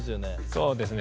そうですね。